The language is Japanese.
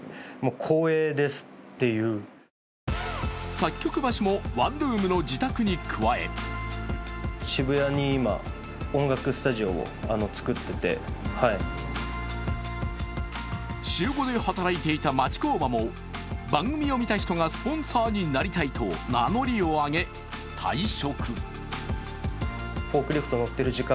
作曲場所もワンルームの自宅に加え週５で働いていた町工場も番組を見た人がスポンサーになりたいと名乗りを上げ、退職。